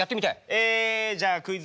えじゃあクイズ。